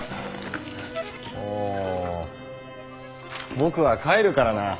もう僕は帰るからな。